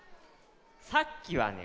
さっきはね